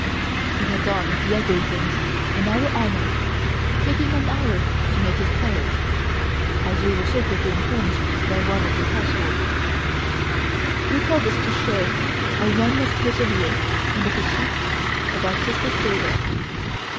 He had donned the ugly things in our honour, taking an hour to make his toilet, as we were secretly informed by one of the household. We tell this to show how one must persevere in the pursuit of artistic data.